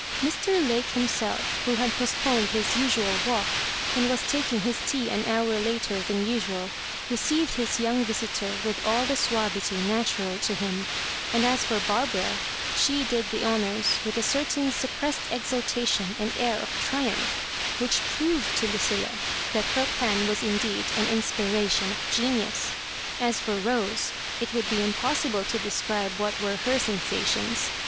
Mr. Lake hifnself, who had postponed his usual walk, and was taking his tea lui hour later than usual, received his 3''Oung visitor with all the suavity natural to him; and as for Barbara, she did the honours with a certain suppressed exultation and air of triumph, which proved to LuciUa that her plan was indeed an inspiration of genius. As for Rose, it would be impossible to describe what were her sensations.